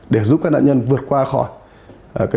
để giúp các nạn nhân vượt qua khỏi